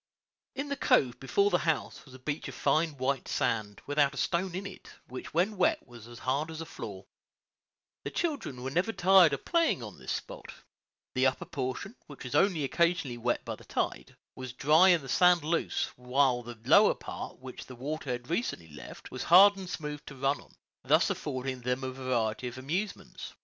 In the cove before the house was a beach of fine white sand, without a stone in it, which when wet was as hard as a floor. The children were never tired of playing on this spot. The upper portion, which was only occasionally wet by the tide, was dry and the sand loose, while the lower part, which the water had recently left, was hard and smooth to run on, thus affording them a variety of amusements.